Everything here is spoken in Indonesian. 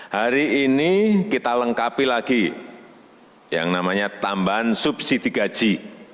hari ini kita lengkapi lagi yang namanya tambahan subsidi gaji